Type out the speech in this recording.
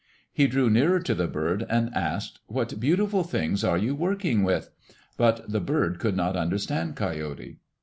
He drew nearer to the bird and asked, "What beautiful things are you working with?" but the bird could not understand Coyote.